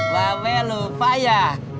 babe lupa ya